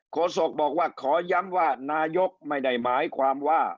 โศกบอกว่าขอย้ำว่านายกไม่ได้หมายความว่า